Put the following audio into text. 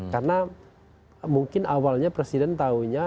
karena mungkin awalnya presiden tahunya